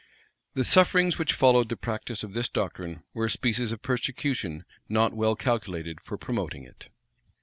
The sufferings which followed the practice of this doctrine, were a species of persecution not well calculated for promoting it.